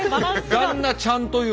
旦那ちゃんと言う。